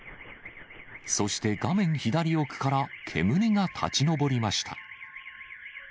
そして画面左奥から煙が立ち上りました。